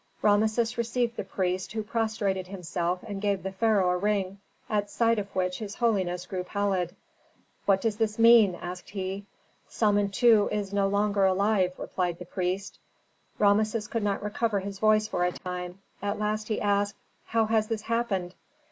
Rameses received the priest, who prostrated himself and gave the pharaoh a ring, at sight of which his holiness grew pallid. "What does this mean?" asked he. "Samentu is no longer alive," replied the priest. Rameses could not recover his voice for a time. At last he asked, "How has this happened?"